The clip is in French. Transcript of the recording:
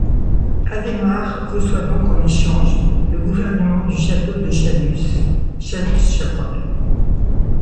Adémar reçoit donc en échange le gouvernement du château de Châlus, Châlus-Chabrol.